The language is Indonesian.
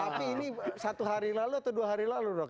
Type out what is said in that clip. tapi ini satu hari lalu atau dua hari lalu dok